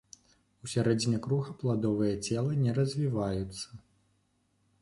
У сярэдзіне круга пладовыя целы не развіваюцца.